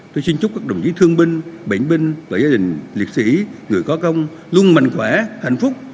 tôi xin chúc các đồng chí thương binh bệnh binh và gia đình liệt sĩ người có công luôn mạnh khỏe hạnh phúc